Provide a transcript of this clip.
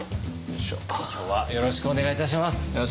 今日はよろしくお願いいたします。